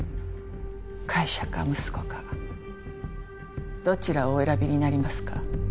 会社か息子かどちらをお選びになりますか？